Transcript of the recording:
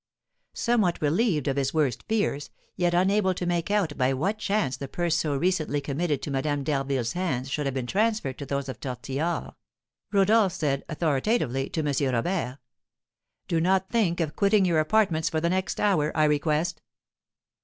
Somewhat relieved of his worst fears, yet unable to make out by what chance the purse so recently committed to Madame d'Harville's hands should have been transferred to those of Tortillard, Rodolph said, authoritatively, to M. Robert: "Do not think of quitting your apartments for the next hour, I request!"